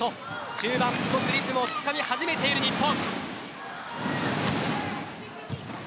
中盤、一つリズムをつかみ始めている日本。